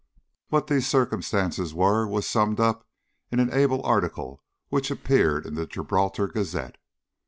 What these circumstances were was summed up in an able article which appeared in the Gibraltar Gazette.